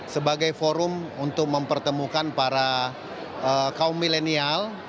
sebagai forum untuk mempertemukan para kaum milenial